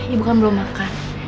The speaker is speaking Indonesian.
ibu kan belum makan